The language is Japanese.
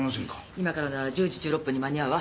今からなら１０時１６分に間に合うわ。